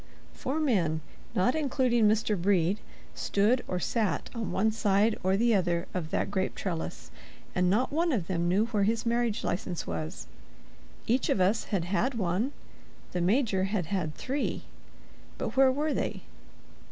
Four men, not including Mr. Brede, stood or sat on one side or the other of that grape trellis, and not one of them knew where his marriage license was. Each of us had had one—the Major had had three. But where were they?